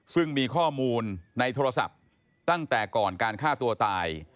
ซึ่งมีข้อมูลในโทรศัพท์ตั้งแต่ก่อนการฆ่าตัวตาย